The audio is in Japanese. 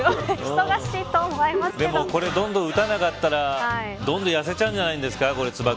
これ、どんどん打たなかったらどんどん、やせちゃうんじゃないですか、つば